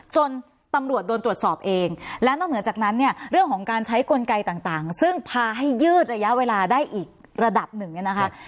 จนตำรวจโดนตรวจสอบเองและนอกเหนือจากนั้นเนี่ยเรื่องของการใช้กลไกต่างซึ่งพาให้ยืดระยะเวลาได้อีกระดับหนึ่งเนี่ยนะคะ